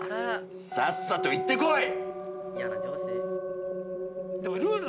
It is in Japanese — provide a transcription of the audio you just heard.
さっさと行ってこい。